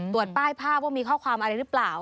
ตรวจป้ายภาพว่ามีข้อความอะไรหรือเปล่า